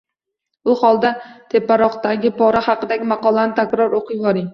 U holda teparoqdagi pora haqidagi maqolani takror oʻqivoring.